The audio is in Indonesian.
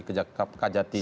kajati jawa timur